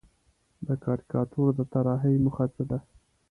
د کاریکاتور د طراحۍ موخه څه ده؟